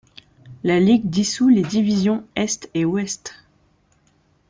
La ligue dissout les divisions Est et Ouest.